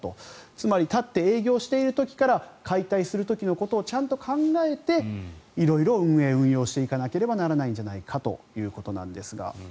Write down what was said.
つまり立って営業している時から解体する時のことをちゃんと考えて色々運営、運用していかなければならないんじゃないかということですが